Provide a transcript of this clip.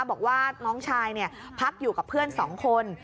บอกว่าน้องชายเนี้ยพักอยู่กับเพื่อนสองคน